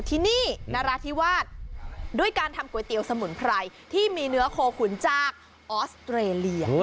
ที่นี่นราธิวาสด้วยการทำก๋วยเตี๋ยวสมุนไพรที่มีเนื้อโคขุนจากออสเตรเลีย